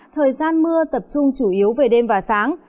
thời gian mưa tập trung chủ yếu về đêm và sáng